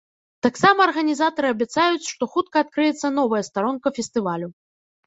Таксама арганізатары абяцаюць, што хутка адкрыецца новая старонка фестывалю.